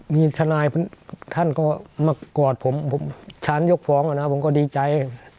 มีทนายท่านก็มากอดผมฉันยกฟองแล้วนะผมก็ดีใจ